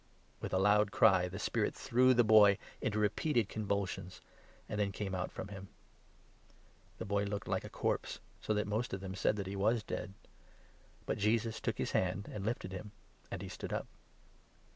With a loud cry the spirit threw the boy into repeated convul 26 sions, and then came out from him. The boy looked like a corpse, so that most of them said that he was dead. But Jesus 27 took his hand, and lifted him ; and he stood up.